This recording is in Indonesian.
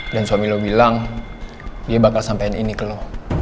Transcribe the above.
suami lo bilang dia bakal sampaikan ini ke lo